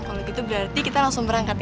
kalo gitu berarti kita langsung berangkat ya